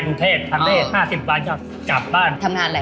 แล้วทำไมรอกกลับบ้านล่ะ